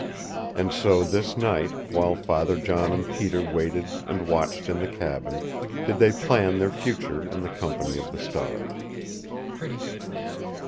And so, this night, while Father John and Peter waited and watched in the cabin, did they plan their future in the company of the stars.